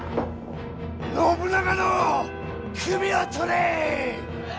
信長の首を取れ！